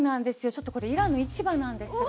ちょっとこれイランの市場なんですが。